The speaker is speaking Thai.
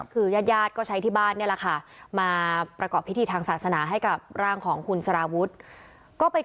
คือญาติญาติก็ใช้ที่บ้านนี่แหละค่ะมาประกอบพิธีทางศาสนาให้กับร่างของคุณสารวุฒิก็ไป